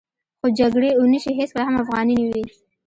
خو جګړې او نشې هېڅکله هم افغاني نه وې.